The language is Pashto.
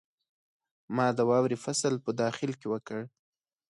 ما د واورې فصل په داخل کې وکړ.